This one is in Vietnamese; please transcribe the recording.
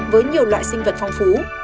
với nhiều loại sinh vật phong phú